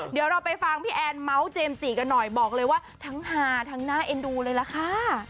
เดี๋ยวเราไปฟังพี่แอนเมาส์เจมส์จีกันหน่อยบอกเลยว่าทั้งฮาทั้งน่าเอ็นดูเลยล่ะค่ะ